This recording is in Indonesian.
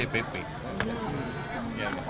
kalau bapak mau deklarasi kapan pak